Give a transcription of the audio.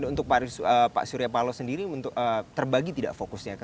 untuk pak surya palo sendiri terbagi tidak fokusnya